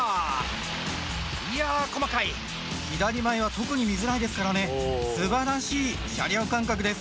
いやあ細かい左前は特に見づらいですからねすばらしい車両感覚です